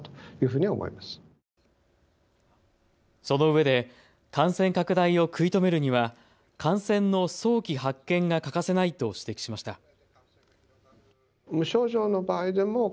そのうえで感染拡大を食い止めるには感染の早期発見が欠かせないと指摘しました。